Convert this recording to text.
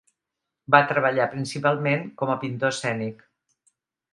Va treballar principalment com a pintor escènic.